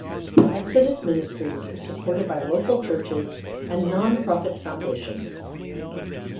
Exodus Ministries is supported by local churches and non-profit foundations.